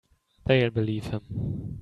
They'll believe him.